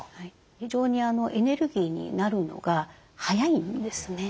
非常にエネルギーになるのが早いんですね。